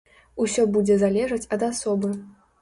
Усё будзе залежаць ад асобы.